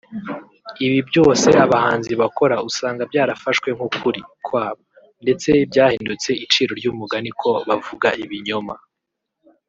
Ibi byose abahanzi bakora usanga byarafashwe nk’ukuri [kwabo] ndetse byahindutse iciro ry’umugani ko ‘bavuga ibinyoma